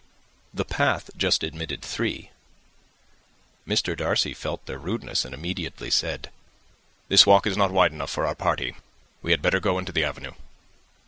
The path just admitted three. Mr. Darcy felt their rudeness, and immediately said, "This walk is not wide enough for our party. We had better go into the avenue."